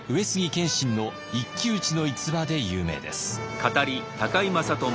謙信の一騎打ちの逸話で有名です。